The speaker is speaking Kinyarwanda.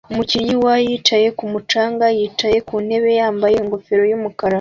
Umukinnyi wa yicaye kumu canga yicaye ku ntebe yambaye ingofero y'umukara